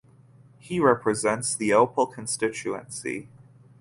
He represents the Opole constituency.